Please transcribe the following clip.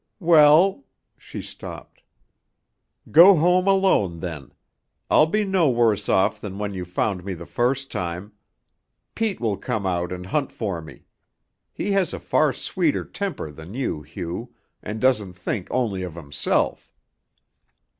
"Well " She stopped. "Go home alone, then. I'll be no worse off than when you found me the first time. Pete will come out and hunt for me. He has a far sweeter temper than you, Hugh, and doesn't think only of himself."